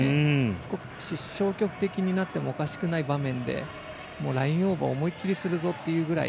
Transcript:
少し消極的になってもおかしくない場面でラインオーバーを思いっ切りするぞっていうくらい